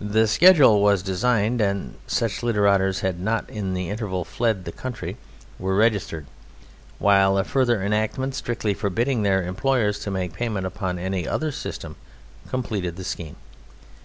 The schedule was designed, and such littérateurs as had not in the interval fled the country were registered, while a further enactment strictly forbidding their employers to make payment upon any other system completed the scheme.